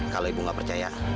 kalau ibu gak percaya